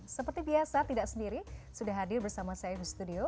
seperti biasa tidak sendiri sudah hadir bersama saya di studio